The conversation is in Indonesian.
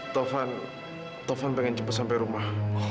taufan taufan pengen cepat sampai rumah